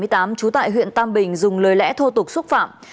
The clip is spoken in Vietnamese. trú tại huyện tam bình dùng lời lẽ thô tục xúc phạm